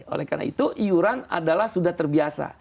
oleh karena itu iuran adalah sudah terbiasa